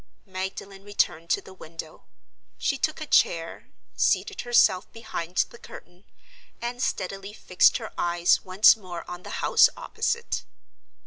Magdalen returned to the window. She took a chair, seated herself behind the curtain, and steadily fixed her eyes once more on the house opposite.